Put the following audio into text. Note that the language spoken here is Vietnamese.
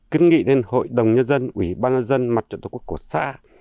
kính nghị đến hội đồng nhân dân ủy ban nhân dân mặt trận tổ quốc của xã